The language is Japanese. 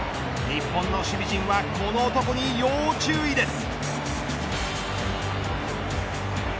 日本の守備陣はこの男に要注意です。